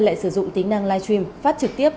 lại sử dụng tính năng live stream phát trực tiếp